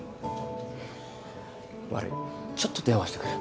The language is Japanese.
悪いちょっと電話してくる。